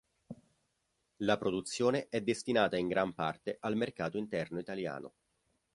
La produzione è destinata in gran parte al mercato interno italiano.